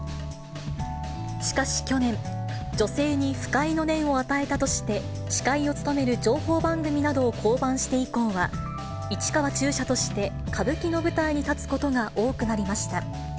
しかし去年、女性に不快の念を与えたとして、司会を務める情報番組などを降板して以降は、市川中車として歌舞伎の舞台に立つことが多くなりました。